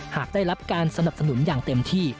หากได้รับการสนับสนุนอย่างเต็มที่